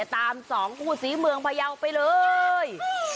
ตามสองคู่ศรีเมืองพยาวไปเลย